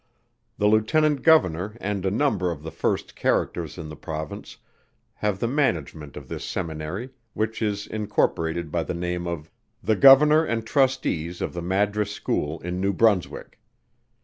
The Lieutenant Governor and a number of the first characters in the Province, have the management of this seminary, which is incorporated by the name of "The Governor and Trustees of the Madras School in New Brunswick."